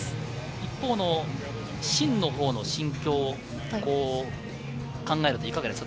一方、シンのほうの心境、考えるといかがですか？